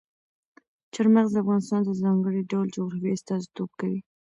چار مغز د افغانستان د ځانګړي ډول جغرافیې استازیتوب کوي.